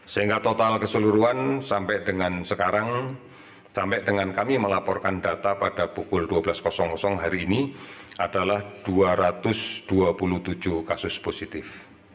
sehingga total keseluruhan sampai dengan sekarang sampai dengan kami melaporkan data pada pukul dua belas hari ini adalah dua ratus dua puluh tujuh kasus positif